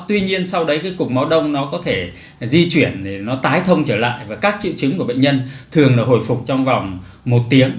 tuy nhiên sau đấy cái cục máu đông nó có thể di chuyển để nó tái thông trở lại và các triệu chứng của bệnh nhân thường là hồi phục trong vòng một tiếng